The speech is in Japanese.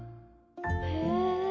へえ。